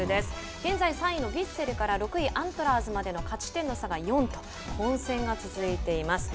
現在３位のヴィッセルから６位アントラーズまでの勝ち点の差が４と混線が続いています。